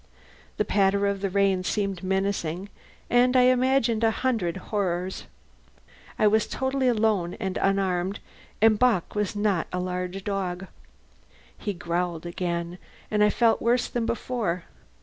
The patter of the rain seemed menacing, and I imagined a hundred horrors. I was totally alone and unarmed, and Bock was not a large dog. He growled again, and I felt worse than before.